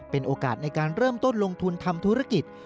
เป็นโอกาสในการเริ่มต้นลงทุนทำธุรกิจ